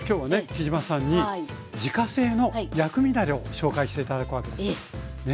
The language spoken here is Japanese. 杵島さんに自家製の薬味だれをご紹介して頂くわけです。